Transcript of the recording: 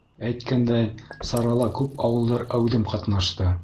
Әйткәндәй, сарала күп ауылдар әүҙем ҡатнашты.